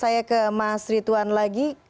saya ke mas rituan lagi